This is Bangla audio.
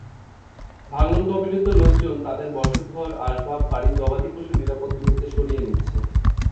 ভাঙনকবলিত লোকজন তাদের বসতঘর, আসবাব, বাড়ির গবাদিপশু নিরাপদ দূরত্বে সরিয়ে নিচ্ছে।